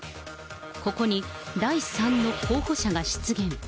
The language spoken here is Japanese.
ここに、第三の候補者が出現。